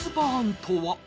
とは？